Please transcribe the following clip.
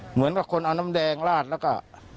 เหมือนกับคนเอาน้ำแดงลาดแล้วก็